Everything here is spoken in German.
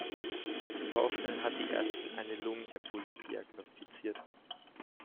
Vorschnell hat die Ärztin eine Lungenembolie diagnostiziert.